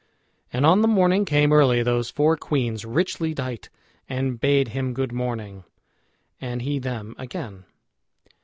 And on the morning came early those four queens, richly dight, and bade him good morning, and he them again.